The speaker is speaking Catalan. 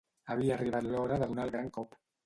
Havia arribat l'hora de donar el gran cop.